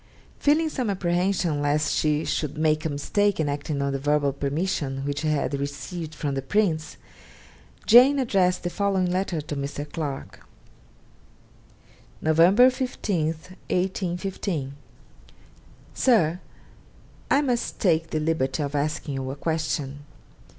Feeling some apprehension lest she should make a mistake in acting on the verbal permission which she had received from the Prince, Jane addressed the following letter to Mr. Clarke: 'Nov. 15, 1815. 'SIR, I must take the liberty of asking you a question.